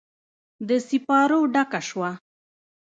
د سیپارو ډکه شوه